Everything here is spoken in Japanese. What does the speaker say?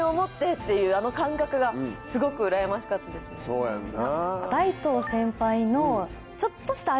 そうやんな。